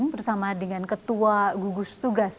bersama dengan ketua gugus tugas